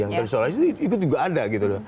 yang terisolasi itu juga ada gitu loh